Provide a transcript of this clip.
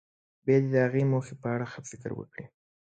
بیا دې د هغې موخې په اړه ښه فکر وکړي.